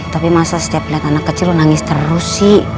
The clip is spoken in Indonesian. tapi masa setiap lihat anak kecil nangis terus sih